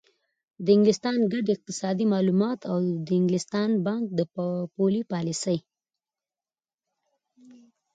د انګلستان ګډ اقتصادي معلومات او د انګلستان بانک د پولي پالیسۍ